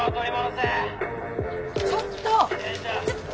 ちょっと！